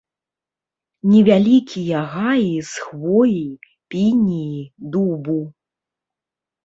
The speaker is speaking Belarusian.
Невялікія гаі з хвоі, пініі, дубу.